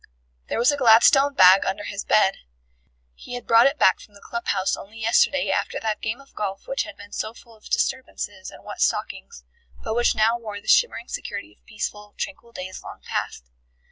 There was a Gladstone bag under his bed. He had brought it back from the club house only yesterday after that game of golf which had been so full of disturbances and wet stockings, but which now wore the shimmering security of peaceful, tranquil days long past.